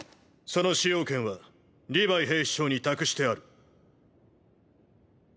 その使用権はリヴァイ兵士長に託してある。